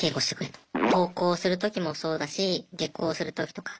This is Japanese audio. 登校する時もそうだし下校する時とか。